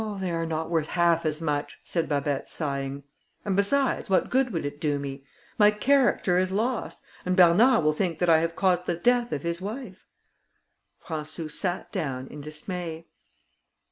they are not worth half as much," said Babet sighing; "and besides, what good would it do me? My character is lost, and Bernard will think that I have caused the death of his wife." Françou sat down in dismay.